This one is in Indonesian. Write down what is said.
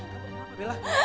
kamu apa bella